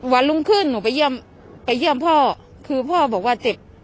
วันรุ่งขึ้นหนูไปเยี่ยมไปเยี่ยมพ่อคือพ่อบอกว่าเจ็บ